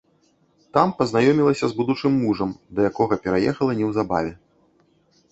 Там пазнаёмілася з будучым мужам, да якога пераехала неўзабаве.